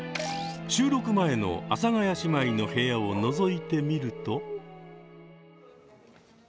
収録前の阿佐ヶ谷姉妹の部屋をのぞいてみると。